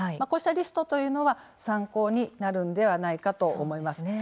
こうしたリストというのは参考になるのではないかと思います。